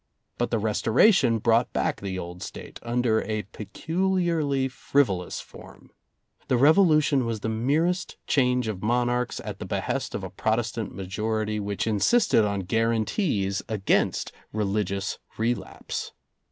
But the Restoration brought back the old State under a peculiarly frivolous form. The Revolution was the merest change of monarchs at the behest of a Protestant majority which insisted on guarantees against religious relapse.